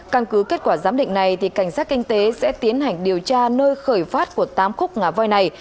căn cứ kết quả giám định này cảnh sát kinh tế sẽ tiến hành điều tra nơi khởi phát của tám khúc ngà voi này